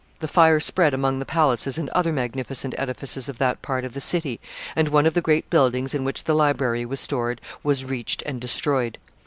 The fire spread among the palaces and other magnificent edifices of that part of the city, and one of the great buildings in which the library was stored was reached and destroyed.